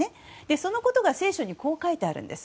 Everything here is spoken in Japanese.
そのことが聖書にはこう書いてあります。